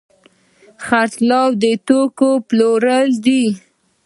خرڅلاو د توکو پلورل دي.